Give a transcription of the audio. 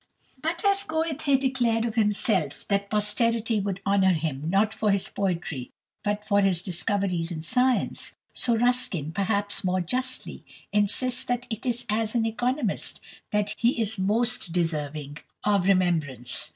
But as Goethe declared of himself that posterity would honour him, not for his poetry, but for his discoveries in science, so Ruskin, perhaps more justly, insists that it is as an economist that he is most deserving of remembrance.